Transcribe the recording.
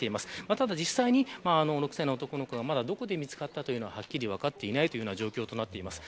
ただ実際に、６歳の男の子がどこで見つかったというのははっきり分かっていない状況です。